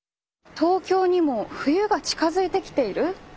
「東京にも冬が近づいてきている？